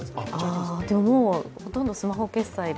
ほとんどスマホ決済で。